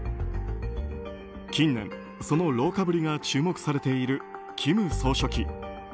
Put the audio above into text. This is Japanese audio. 近年、その老化ぶりが注目されている金総書記。